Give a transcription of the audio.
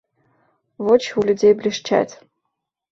Вочы ў людзей блішчаць.